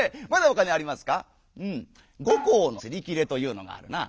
五劫のすり切れというのがあるな」。